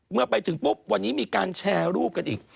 เมื่อไปถึงปุ๊บวันนี้มีการแชร์รูปกันอีก